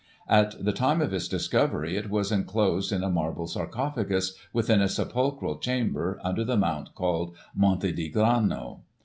At the time of its discovery it was enclosed in a marble sarcophagus, within a sepulchral chamber, under the mount called Monte di Grano.